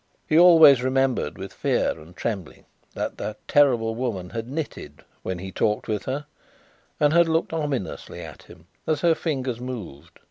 He always remembered with fear and trembling, that that terrible woman had knitted when he talked with her, and had looked ominously at him as her fingers moved.